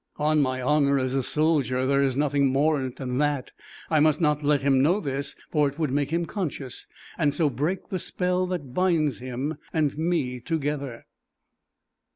On my honour as a soldier, there is nothing more in it than that. I must not let him know this, for it would make him conscious, and so break the spell that binds him and me together.